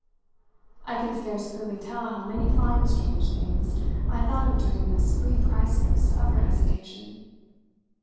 I can scarce clearly tell how many fine strange things I thought of during this brief crisis of her hesitation.